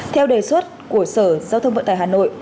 theo đề xuất của sở giao thông vận tải hà nội